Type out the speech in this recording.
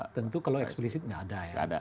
tentu kalau eksplisit nggak ada ya